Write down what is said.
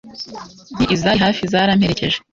nti izari hafi zaramperekeje